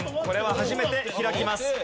これは初めて開きます。